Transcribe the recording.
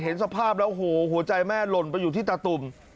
เห็นสภาพแล้วโหหัวใจแม่หล่นไปอยู่ที่ตาตุ่ม